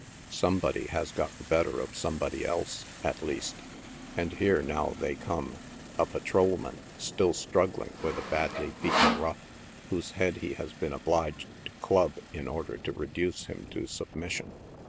Somebody has got. the better of somebody else, at least, and here now they come — a patrolman still struggling with a badly beaten rough, whose head he has been obliged to club in order to reduce him to submission.